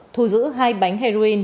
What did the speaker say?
thu giữ hai bánh heroin